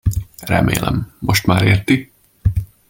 Remélem, most már érti?